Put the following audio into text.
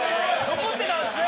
残ってたんですね。